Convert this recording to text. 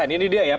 ini dia ya